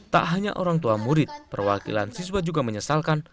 tak hanya orang tua murid perwakilan siswa juga menyesalkan